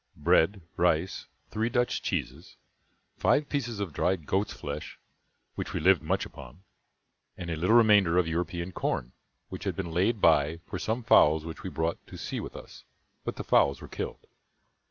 bread, rice, three Dutch cheeses, five pieces of dried goat's flesh (which we lived much upon), and a little remainder of European corn, which had been laid by for some fowls which we brought to sea with us, but the fowls were killed.